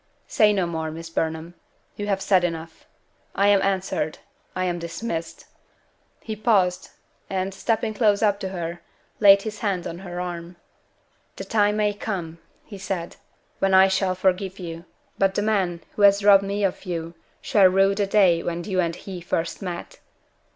"Say no more, Miss Burnham you have said enough. I am answered; I am dismissed." He paused, and, stepping close up to her, laid his hand on her arm. "The time may come," he said, "when I shall forgive you. But the man who has robbed me of you shall rue the day when you and he first met."